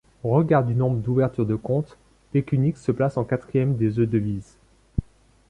Au regard du nombre d'ouvertures de comptes, Pecunix se place quatrième des e-devises.